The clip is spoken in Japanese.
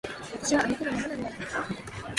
私はあの日のままなんだ